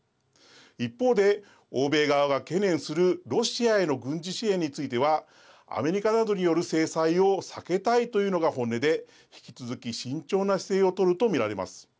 一方で、欧米側が懸念するロシアへの軍事支援についてはアメリカなどによる制裁を避けたいというのが本音で引き続き慎重な姿勢を取ると見られます。